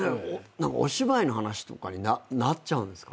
お芝居の話とかになっちゃうんですか？